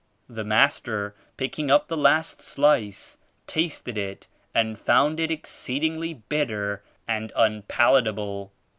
The master, picking up the last ^ slice, tasted it and found it exceedingly bitter and unpalatable.